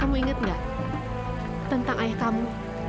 kamu ingat nggak tentang ayah kamu